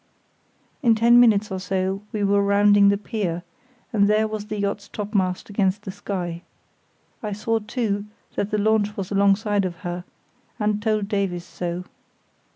In ten minutes or so we were rounding the pier, and there was the yacht's top mast against the sky. I saw, too, that the launch was alongside of her, and told Davies so.